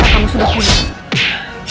kamu sudah pulih